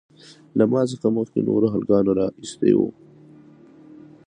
له ما څخه مخکې نورو هلکانو رااېستى وو.